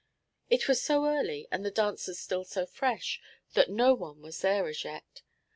'It was so early, and the dancers still so fresh, that no one was there as yet.